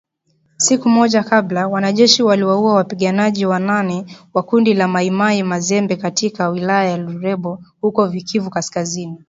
Siku moja kabla, wanajeshi waliwaua wapiganaji wanane wa kundi la Mai Mai Mazembe katika wilaya ya Lubero huko Kivu Kaskazini